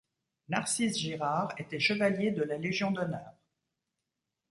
Narcisse Girard était chevalier de la Légion d'honneur.